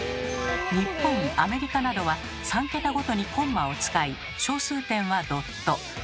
日本アメリカなどは３桁ごとにコンマを使い小数点はドット。